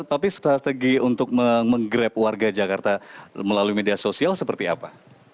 tapi strategi untuk menggrab warga jakarta melalui media sosial seperti apa